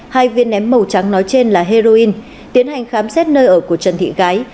hai viên ném màu trắng nói trên là heroin tiến hành khám xét nơi ở của trần thị gái